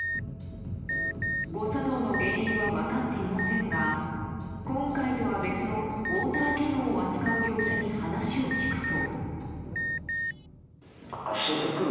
誤作動の原因は分かっていませんが今回とは別のウォーターキャノンを扱う業者に話を聞くと。